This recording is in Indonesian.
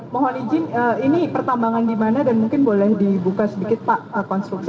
mohon izin ini pertambangan di mana dan mungkin boleh dibuka sedikit pak konstruksi